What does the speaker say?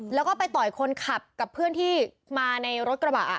แล้วก็ไปต่อยคนขับกับเพื่อนที่มาในรถกระบะ